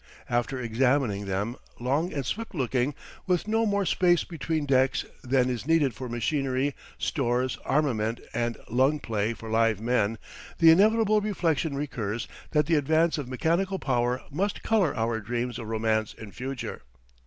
After examining them, long and swift looking, with no more space between decks than is needed for machinery, stores, armament, and lung play for live men, the inevitable reflection recurs that the advance of mechanical power must color our dreams of romance in future.